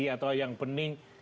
atau yang bening